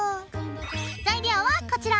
材料はこちら。